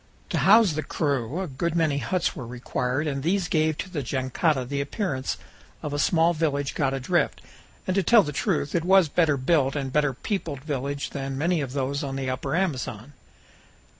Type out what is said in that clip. To house the crew a good many huts were required, and these gave to the jangada the appearance of a small village got adrift, and, to tell the truth, it was a better built and better peopled village than many of those on the Upper Amazon.